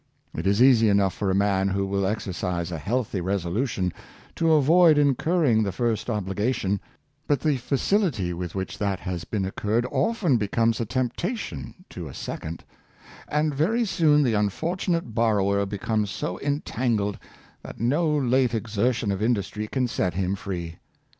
It is easy enough for a man who will exercise a healthy resolution, to avoid incurring the first obligation; but the facility with which that has been incurred often becomes a temptation to a second; and very soon the unfortunate borrower be comes so entangled that no late exertion of industry can set him free.